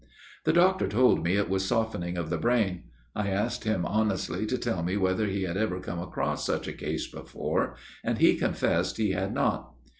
" The doctor told me it was softening of the brain. I asked him honestly to tell me whether he had ever come across such a case before, and he confessed he had not.